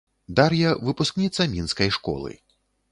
Дар'я, выпускніца мінскай школы.